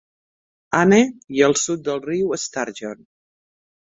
Anne i el sud del riu Sturgeon.